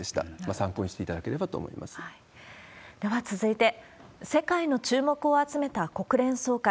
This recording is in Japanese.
参考にしていただければと思いまでは続いて、世界の注目を集めた国連総会。